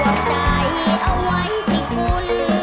ร่วงใจเอาไว้ที่คุณ